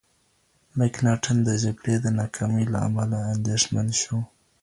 مکناتن د جګړې د ناکامۍ له امله اندېښمن شو.